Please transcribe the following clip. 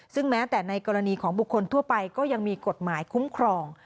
ซึ่งแม้แต่ในกรณีของบุคคลทั่วไปก็ยังมีกฎหมายคุ้มครอง